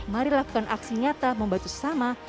mari lakukan aksi nyata membantu sesama